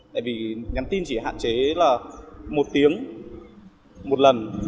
tại vì nhắn tin chỉ hạn chế là một tiếng một lần